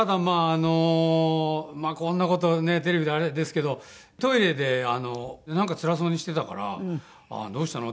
あのこんな事をねテレビであれですけどトイレでなんかつらそうにしてたから「どうしたの？」